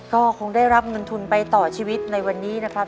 ก็คงได้รับเงินทุนไปต่อชีวิตในวันนี้นะครับ